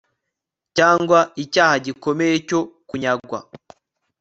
cyangwa icyaha gikomeye cyo kunyagwa